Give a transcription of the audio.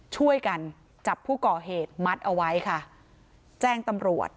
ช่วยกันจับผู้ก่อเหตุมัดเอาไว้ค่ะแจ้งตำรวจ